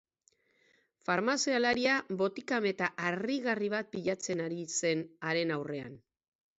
Farmazialaria botika meta harrigarri bat pilatzen ari zen haren aurrean.